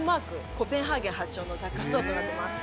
コペンハーゲン発祥の雑貨ストアとなっています。